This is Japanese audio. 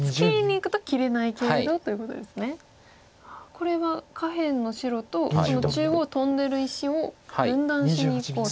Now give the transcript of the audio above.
これは下辺の白とこの中央トンでる石を分断しにいこうと。